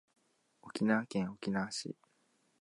沖縄県沖縄市